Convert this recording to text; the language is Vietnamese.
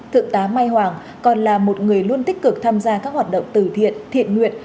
thượng tá mai hoàng còn là một người luôn tích cực tham gia các hoạt động từ thiện thiện nguyện